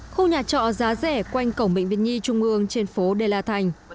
khu nhà trọ giá rẻ quanh cổng bệnh viện nhi trung ương trên phố đê la thành